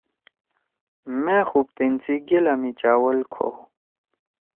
مأ خُوبتین سی گیلا می چاول کھؤ۔